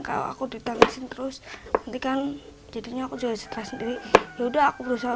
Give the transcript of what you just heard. kalau aku ditangisin terus nanti kan jadinya aku jual setelah sendiri ya udah aku berusaha